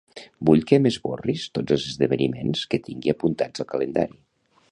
Vull que m'esborris tots els esdeveniments que tingui apuntats al calendari.